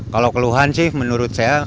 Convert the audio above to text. kalau keluhan sih menurut saya